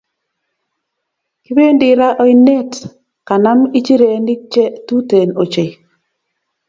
Kipendi raa oinet kanam ichirenik che Tuten ochei